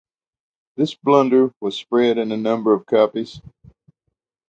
This blunder was spread in a number of copies.